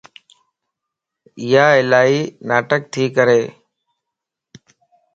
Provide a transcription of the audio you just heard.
ايا الائي ناٽڪ تي ڪري